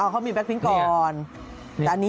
อ๋อเขามีแบคพิ้งก่อน